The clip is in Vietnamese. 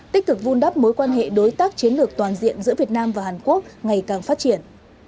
tích cực vun đắp mối quan hệ đối tác chiến lược toàn diện giữa việt nam và hàn quốc ngày càng phát triển